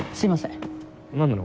何なの？